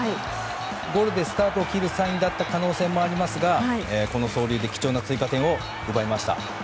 ゴロでスタートを切るサインだった可能性もありますがこの走塁で貴重な追加点を奪いました。